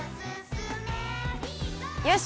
よし！